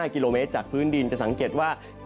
๕กิโลเมตรจากพื้นดินจะสังเกตว่า